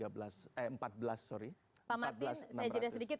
pak martin saya jelaskan sedikit